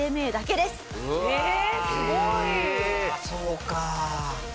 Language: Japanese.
そうか。